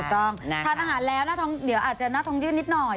ถ้าอาหารแล้วอาจจะหน้าท้องยืนนิดหน่อย